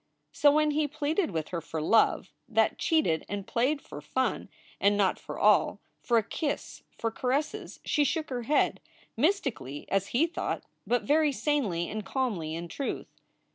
So when he pleaded with her for love that cheated and played for fun and not for all, for a kiss, for caresses, she shook her head mystically as he thought, but very sanely and calmly, in truth.